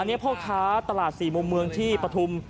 อันนี้เพราะขาตลาด๔มมที่ปฐุม